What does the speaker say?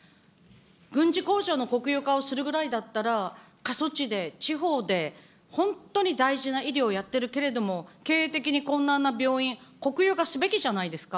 軍事工場の国有化をするぐらいだったら、過疎地で、地方で、本当に大事な医療をやってるけれども、経営的に困難な病院、国有化すべきじゃないですか。